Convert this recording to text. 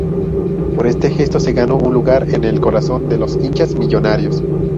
Por este gesto se ganó un lugar en el corazón de los hinchas "Millonarios".